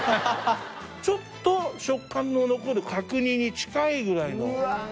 ちょっと食感の残る角煮に近いぐらいの。